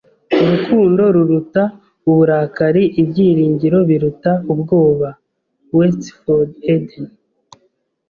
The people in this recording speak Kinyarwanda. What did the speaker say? Urukundo ruruta uburakari. Ibyiringiro biruta ubwoba. (WestofEden)